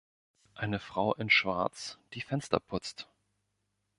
Eine Frau in Schwarz, die Fenster putzt.